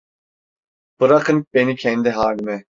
Bırakın beni kendi halime…